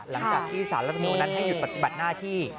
หลังจากที่สารรัฐมนุนนั้นให้หยุดปฏิบัติหน้าที่